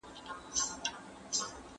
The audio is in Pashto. مور او پلار زموږ مشران دي.